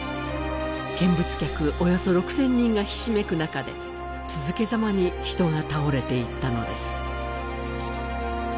見物客およそ６０００人がひしめく中で続けざまに人が倒れていったのです